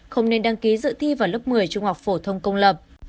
không nên đăng ký dự thi vào lớp một mươi trung học phổ thông công lập